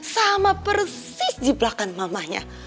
sama persis di belakang mamahnya